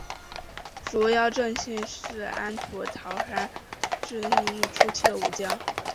竹腰正信是安土桃山时代至江户时代初期的武将。